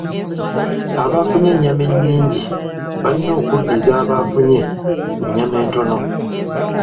Abafunye ennyama ennyingi balina okuddiza abafunye ennyama entono.